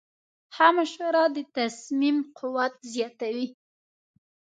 ښه مشوره د تصمیم قوت زیاتوي.